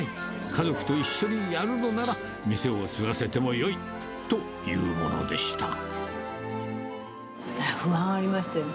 家族と一緒にやるのならば、店を継がせてもよいというもので不安はありましたよ。